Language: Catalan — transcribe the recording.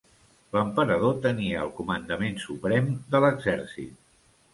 L'Emperador tenia el comandament suprem de l'exèrcit.